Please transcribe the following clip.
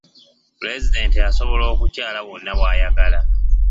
Pulezidenti asobola okukyala wonna w'ayagala.